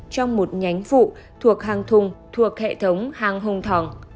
trong một nhánh phụ thuộc hang thùng thuộc hệ thống hang hùng thòng